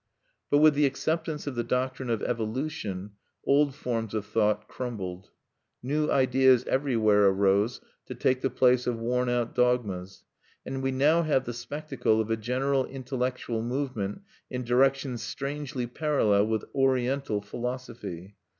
But with the acceptance of the doctrine of evolution, old forms of thought crumbled; new ideas everywhere arose to take the place of worn out dogmas; and we now have the spectacle of a general intellectual movement in directions strangely parallel with Oriental philosophy.